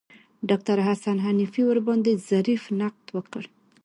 ډاکتر حسن حنفي ورباندې ظریف نقد وکړ.